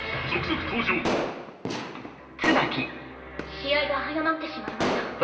試合が早まってしまいました。